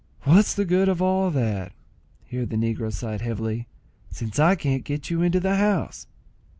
"What's the good of all that," (here the negro sighed heavily,) "since I can't get you into the house?"